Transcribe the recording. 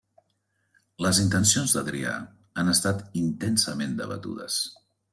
Les intencions d'Adrià han estat intensament debatudes.